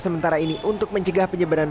sementara ini untuk mencegah penyebaran